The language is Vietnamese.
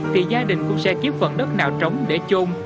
thì gia đình cũng sẽ kiếp vật đất nào trống để chôn